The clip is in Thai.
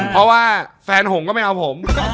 เพราะว่าแฟนผมก็ไม่เอาผม